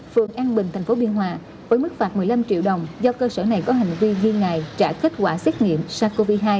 phường an bình tp biên hòa với mức phạt một mươi năm triệu đồng do cơ sở này có hành vi ghi ngài trả kết quả xét nghiệm sars cov hai